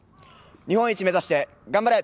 日本一目指して、頑張れ！